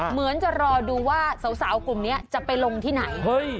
เหมือนจะรอดูว่าสาวกลุ่มนี้จะไปลงที่ไหน